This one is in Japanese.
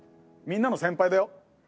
みんなの先輩だよ。